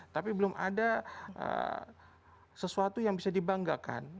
tapi belum ada sesuatu yang bisa dibanggakan